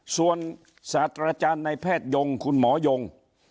ส่วนศาสตราจารย์ในแพทยงคุณหมอยง